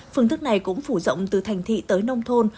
phương thức này cũng phủ rộng từ thành thị tới nông thôn